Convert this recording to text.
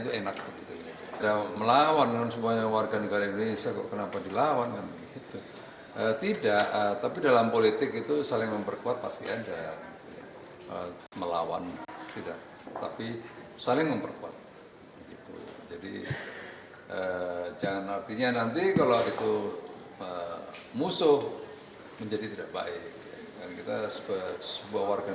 menurut muldoko majunya prabowo menjadikan iklim demokrasi di indonesia lebih berwarna